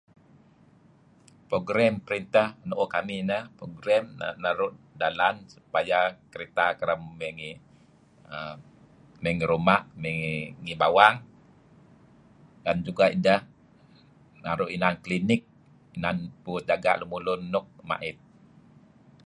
Program printah nuuh kamih nah program naru' dalan supaya kereta kereb marih my ngi ruma' may ngi bawang dan juga' idah naru;' inan Klinik inan nuuh jaga' lun mait.